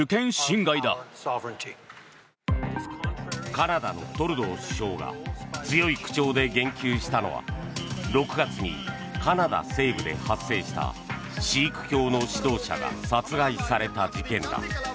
カナダのトルドー首相が強い口調で言及したのは６月にカナダ西部で発生したシーク教の指導者が殺害された事件だ。